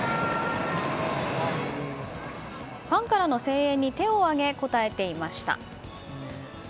ファンからの声援に手を上げ応えていました。